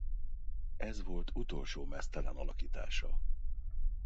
Ez volt utolsó meztelen alakítása.